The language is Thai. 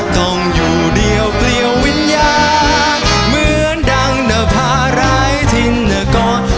ต้องอยู่เดียวเปลี่ยววิญญาณเหมือนดังนภาร้ายทิ้งเหนือก่อน